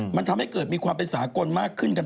มันทำให้เกิดมีความเป็นสากลมากขึ้นกัน